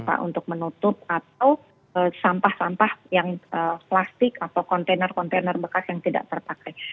apakah untuk menutup atau sampah sampah yang plastik atau kontainer kontainer bekas yang tidak terpakai